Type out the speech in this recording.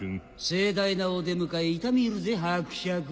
盛大なお出迎え痛み入るぜ伯爵。